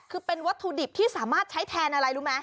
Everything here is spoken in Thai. คือเป็นวัตถุดิบที่สามารถใช้แทนอะไรรู้ไหม